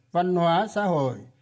văn hóa xã hội